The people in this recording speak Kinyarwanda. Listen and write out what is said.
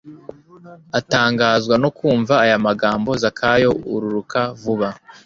atangazwa no kumva aya magambo “Zakayo ururuka vuba,